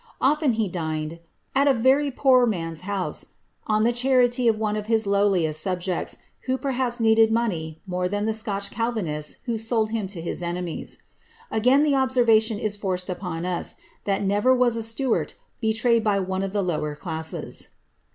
Often he dined '^ at a very poor man^s house," on the charity of one of his lowliest subjects, who per haps needed money more than the Scotch calvinists who sold him tohif enemies. Again the observation is forced upon us, that never was t Stuart betrayed by one of tlie lower classes.